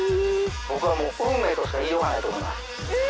僕はもう運命としか言いようがないと思います。